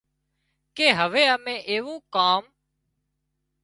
ڪي هوي امين ايوون ڪام